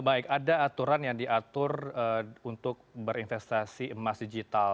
baik ada aturan yang diatur untuk berinvestasi emas digital